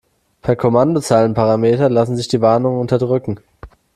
Per Kommandozeilenparameter lassen sich die Warnungen unterdrücken.